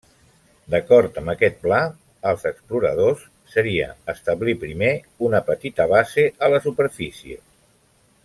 D'acord amb aquest pla, els exploradors seria establir primer una petita base a la superfície.